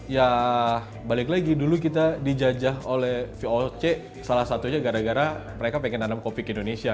ya balik lagi dulu kita dijajah oleh voc salah satunya gara gara mereka pengen nanam kopi ke indonesia